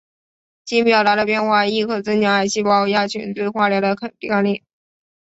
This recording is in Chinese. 基因表达的变化亦可增强癌细胞亚群对化疗的抵抗力。